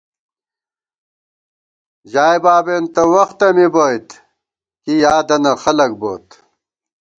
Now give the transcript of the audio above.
ژائی بابېن تہ وختہ مِبوئیت ، کی یادَنہ خلَک بوت